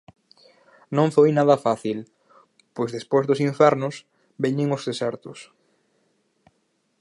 Non foi nada fácil, pois despois dos infernos veñen os desertos.